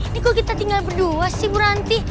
ini kok kita tinggal berdua sih bu ranti